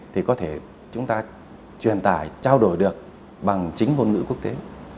thì có thể chúng ta truyền tải trao đổi được bằng chính ngôn ngữ quốc tế